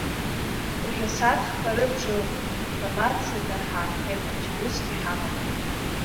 Уажәы асааҭ хԥа рыбжа ыҟоуп, информациада ҳаанхеит, ача усгьы иҳамам.